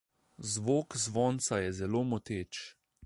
Zvok zvonca je zelo moteč.